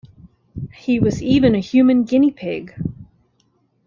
He was even a human guinea pig.